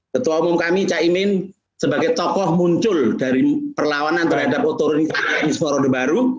ketua umum kami cak imin sebagai tokoh muncul dari perlawanan terhadap otoritasnya isfah rodo baru